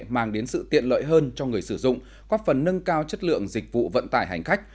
mang đến sự tiện lợi hơn cho người sử dụng có phần nâng cao chất lượng dịch vụ vận tải hành khách